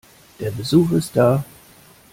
Der Besuch ist da.